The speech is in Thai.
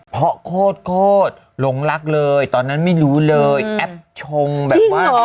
เพราะโคตรโคตรหลงรักเลยตอนนั้นไม่รู้เลยแอปชงแบบว่า